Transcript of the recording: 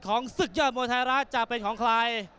ศึกยอดมวยไทยรัฐจะเป็นของใคร